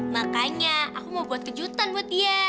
makanya aku mau buat kejutan buat dia